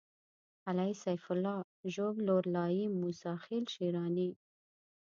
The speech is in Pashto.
قلعه سيف الله ژوب لورلايي موسی خېل شېراني